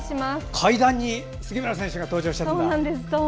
階段に杉村選手が登場しているんだ。